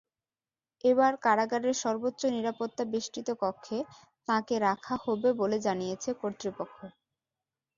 এবার কারাগারের সর্বোচ্চ নিরাপত্তাবেষ্টিত কক্ষে তাঁকে রাখা হবে বলে জানিয়েছে কর্তৃপক্ষ।